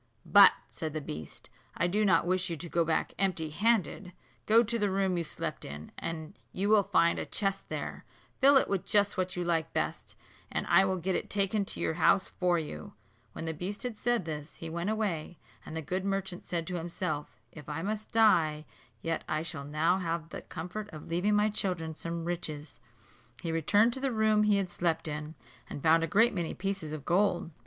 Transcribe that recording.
"But," said the beast, "I do not wish you to go back empty handed. Go to the room you slept in, and you will find a chest there; fill it with just what you like best, and I will get it taken to your own house for you," When the beast had said this, he went away; and the good merchant said to himself, "If I must die, yet I shall now have the comfort of leaving my children some riches," He returned to the room he had slept in, and found a great many pieces of gold.